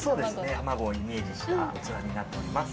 卵をイメージした器になっております。